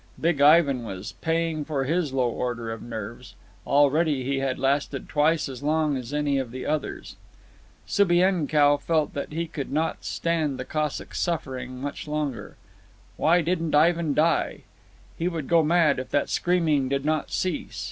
Big Ivan was paying for his low order of nerves. Already he had lasted twice as long as any of the others. Subienkow felt that he could not stand the Cossack's sufferings much longer. Why didn't Ivan die? He would go mad if that screaming did not cease.